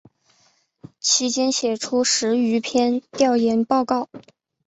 其间写出十余篇调研报告。